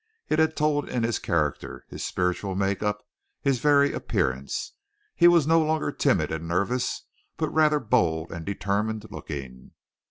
It had told in his character, his spiritual make up, his very appearance. He was no longer timid and nervous, but rather bold and determined looking.